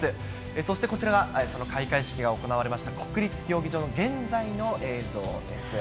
そしてこちらがその開会式が行われました国立競技場の現在の映像です。